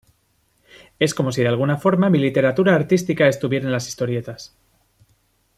Es como si de alguna forma mi literatura artística estuviera en las historietas.